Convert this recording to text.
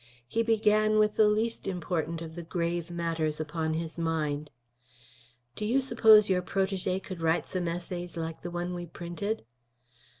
He began with the least important of the grave matters upon his mind. "Do you suppose your protégé could write some essays like the one we printed?"